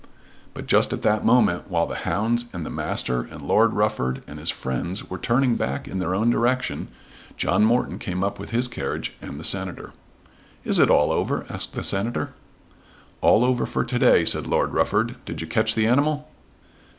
But just at that moment, while the hounds and the master, and Lord Rufford and his friends, were turning back in their own direction, John Morton came up with his carriage and the Senator. "Is it all over?" asked the Senator. "All over for to day," said Lord Rufford. "Did you catch the animal?"